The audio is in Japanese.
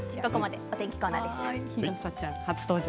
お天気コーナーでした。